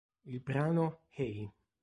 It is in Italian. Il brano "Hey!